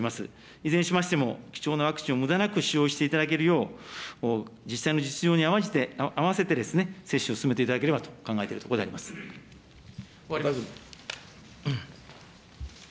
いずれにしましても、貴重なワクチンをむだなく使用していただけるよう、実際の実情に合わせて、接種を進めていただければと考え終わります。